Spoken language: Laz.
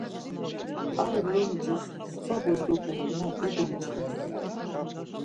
Ar lumcis mskva bozopek ma dido mçves.